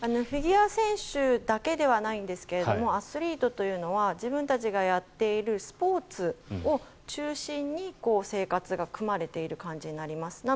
フィギュア選手だけではないんですけどアスリートというのは自分たちがやっているスポーツを中心に生活が組まれている感じになります。